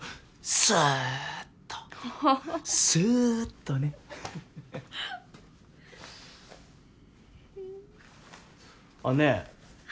スーッとスーッとねハハハあっねえ